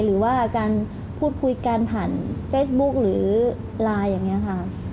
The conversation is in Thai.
หรือว่าการพูดคุยกันผ่านเฟซบุ๊คหรือไลน์อย่างนี้ค่ะ